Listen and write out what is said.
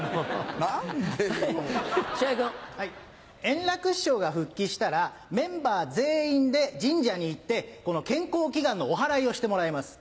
円楽師匠が復帰したらメンバー全員で神社に行って健康祈願のおはらいをしてもらいます。